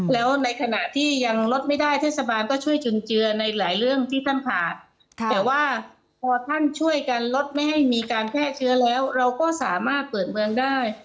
แล้วในขณะที่ยังลดไม่ได้เทศบาลก็ช่วยจุนเจือในหลายเรื่องที่ท่านขาดแต่ว่าพอท่านช่วยกันลดไม่ให้มีการแพร่เชื้อแล้วเราก็สามารถเปิดเมืองได้